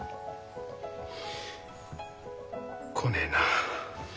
来ねえなあ。